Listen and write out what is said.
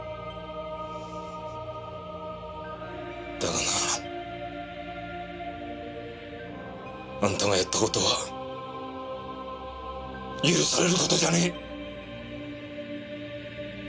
だがなあんたがやった事は許される事じゃねえ！